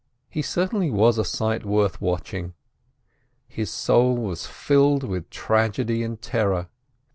He certainly was a sight worth watching. His soul was filled with tragedy and terror.